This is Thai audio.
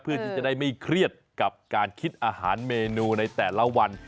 เพื่อที่จะได้ไม่เครียดกับการคิดอาหารเมนูในแต่ละวัน